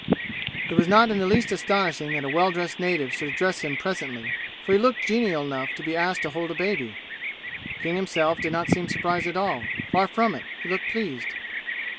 It was not in the least astonishing that a well dressed native should address him presently, for he looked genial enough to be asked to hold a baby. King himself did not seem surprised at all. Far from it; he looked pleased.